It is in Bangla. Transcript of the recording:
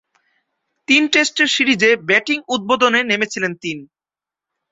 তিন টেস্টের সিরিজে ব্যাটিং উদ্বোধনে নেমেছিলেন তিন।